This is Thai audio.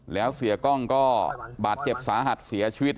แล้วเสียกล้องก็บาดเจ็บสาหัสเสียชีวิต